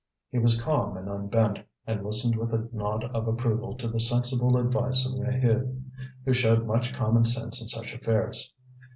He was calm and unbent, and listened with a nod of approval to the sensible advice of Maheude, who showed much common sense in such affairs.